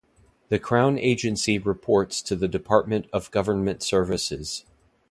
The crown agency reports to the Department of Government Services.